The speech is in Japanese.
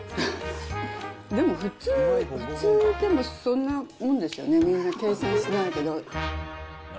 でも普通、普通そんなもんですよね、みんな計算しないけど。